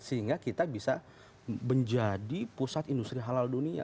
sehingga kita bisa menjadi pusat industri halal dunia